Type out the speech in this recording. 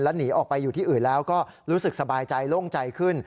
หนีออกไปอยู่ที่อื่นแล้วก็รู้สึกสบายใจโล่งใจขึ้น